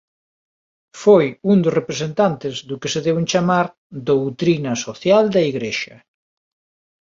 Foi un dos representantes do que se deu en chamar "doutrina social da Igrexa".